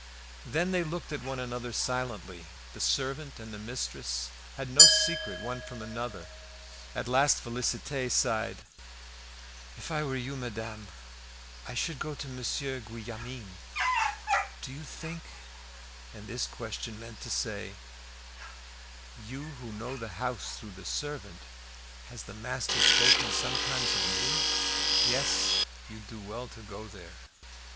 Then they looked at one another silently. The servant and mistress had no secret one from the other. At last Félicité sighed "If I were you, madame, I should go to Monsieur Guillaumin." "Do you think " And this question meant to say "You who know the house through the servant, has the master spoken sometimes of me?" "Yes, you'd do well to go there."